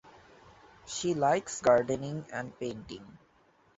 She likes gardening and painting.